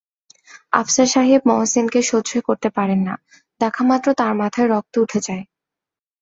আফসার সাহেব মহসিনকে সহ্যই করতে পারেন না, দেখামাত্র তাঁর মাথায় রক্ত উঠে যায়।